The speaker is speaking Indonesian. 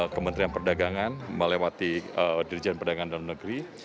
kementerian perdagangan melewati dirjen perdagangan dalam negeri